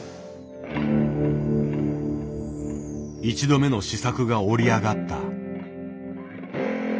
一度目の試作が織りあがった。